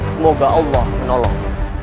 semoga allah menolongmu